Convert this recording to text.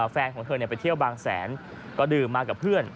แฟนของเธอไปเที่ยวบางแสนก็ดื่มมากับเพื่อน